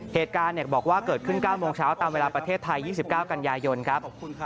เหตุการณ์บอกว่าเกิดขึ้น๙โมงเช้าตามเวลาประเทศไทย๒๙กันยายนครับ